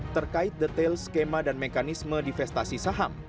terkait detail skema dan mekanisme divestasi saham